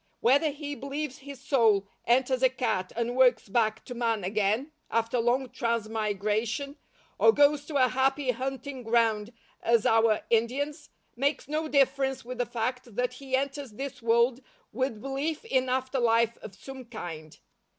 Whether he believes his soul enters a cat and works back to man again after long transmigration, or goes to a Happy Hunting Ground as our Indians, makes no difference with the fact that he enters this world with belief in after life of some kind.